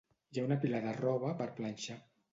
Hi ha una pila de roba per planxar